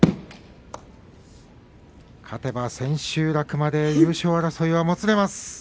勝てば千秋楽まで優勝争いはもつれます。